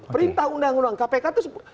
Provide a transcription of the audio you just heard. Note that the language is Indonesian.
perintah undang undang kpk itu